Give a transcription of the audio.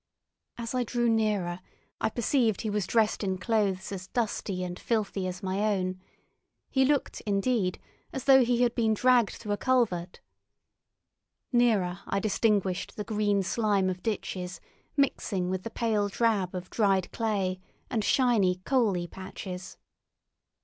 As I drew nearer I perceived he was dressed in clothes as dusty and filthy as my own; he looked, indeed, as though he had been dragged through a culvert. Nearer, I distinguished the green slime of ditches mixing with the pale drab of dried clay and shiny, coaly patches.